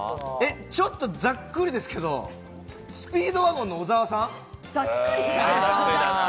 ちょっとざっくりですけれども、スピードワゴンの小沢さん。